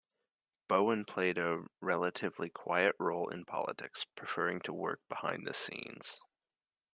Bowen played a relatively quiet role in politics, preferring to work behind the scenes.